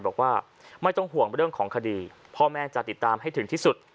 บอกว่าไม่ต้องห่วงเรื่องของคดีพ่อแม่จะติดตามให้ถึงที่สุด